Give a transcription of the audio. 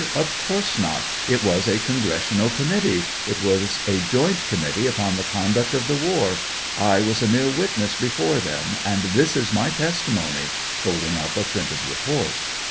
Of course not. It was a Congressional committee ;' it was a joint committee upon the conduct of the war; I was a mere witness before them, and this is my testi mony (holding up a printed report.)